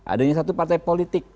adanya satu partai politik